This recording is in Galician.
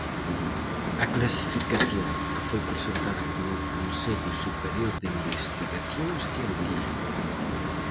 A clasificación, que foi presentada polo Consello Superior de Investigacións Científicas.